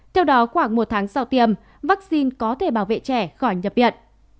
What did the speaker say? theo đó khoảng một tháng sau tiêm vaccine có thể bảo vệ trẻ khỏi nhập viện